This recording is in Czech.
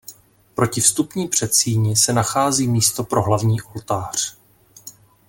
Proti vstupní předsíni se nachází místo pro hlavní oltář.